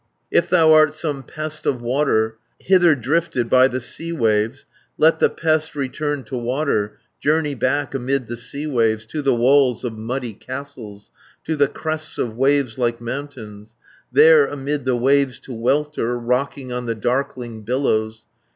"If thou art some pest of water, Hither drifted by the sea waves, 370 Let the pest return to water, Journey back amid the sea waves, To the walls of muddy castles, To the crests of waves like mountains, There amid the waves to welter, Rocking on the darkling billows.